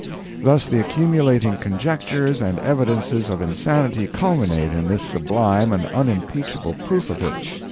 Thus the accumulating conjectures and evidences of insanity culminate in this sublime and unimpeachable proof of it.